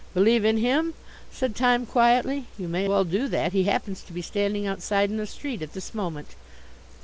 "Believe in him?" said Time quietly. "You may well do that. He happens to be standing outside in the street at this moment."